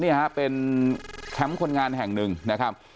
นี่ฮะเป็นแคมป์คนงานแห่งหนึ่งนะครับ